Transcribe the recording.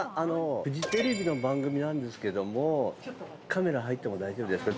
フジテレビの番組なんですけどカメラ入っても大丈夫ですか？